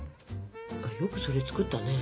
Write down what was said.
よくそれ作ったね。